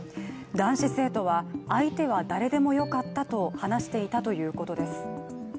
男子生徒は、相手は誰でもよかったと話していたということです。